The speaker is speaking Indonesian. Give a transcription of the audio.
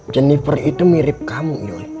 jennifer itu mirip kamu